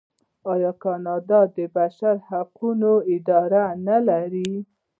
آیا کاناډا د بشري حقونو اداره نلري؟